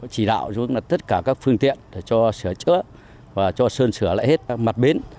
chỉ đạo giúp tất cả các phương tiện cho sửa chữa và cho sơn sửa lại hết mặt bến